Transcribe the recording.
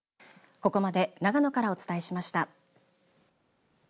ここまで長野からお伝えしました。